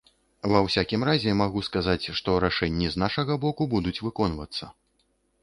Ва ўсякім разе, магу сказаць, што рашэнні з нашага боку будуць выконвацца.